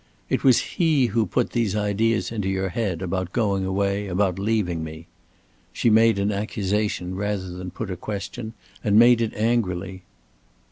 "It was he who put these ideas into your head about going away, about leaving me." She made an accusation rather than put a question, and made it angrily.